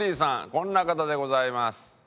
こんな方でございます。